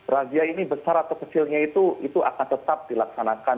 razia ini besar atau kecilnya itu akan tetap dilaksanakan